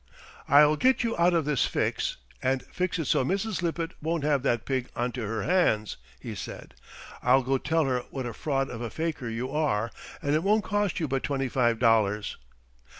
"I'll get you out of this fix, and fix it so Mrs. Lippett won't have that pig onto her hands," he said. "I'll go tell her what a fraud of a faker you are, and it won't cost you but twenty five dollars."